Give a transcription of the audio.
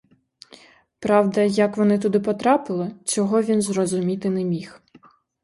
Правда, як вони туди потрапили — цього він зрозуміти не міг.